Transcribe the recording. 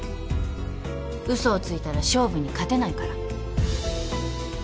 嘘をついたら勝負に勝てないから